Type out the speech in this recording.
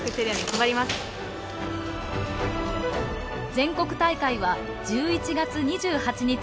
全国大会は１１月２８日。